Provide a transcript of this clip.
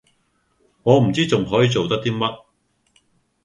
我唔知仲可以做得啲乜